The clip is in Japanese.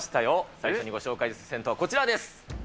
最初にご紹介する銭湯はこちらです。